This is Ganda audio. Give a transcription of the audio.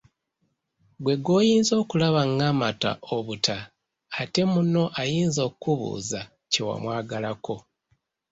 Ggwe gw'oyinza okulaba ng'amata obuta ate munno ayinza okukubuuza kye wamwagalako.